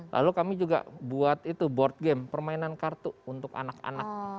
lalu kami juga buat itu board game permainan kartu untuk anak anak